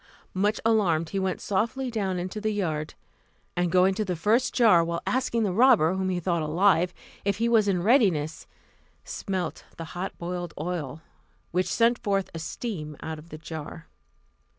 Much alarmed, he went softly down into the yard, and going to the first jar, while asking the robber, whom he thought alive, if he was in readiness, smelt the hot boiled oil, which sent forth a steam out of the jar.